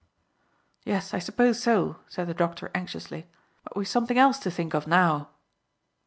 "Yes, I suppose so," said the doctor anxiously; "but we've something else to think of now."